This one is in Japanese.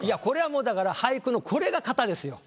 これはもうだから俳句のこれが型です。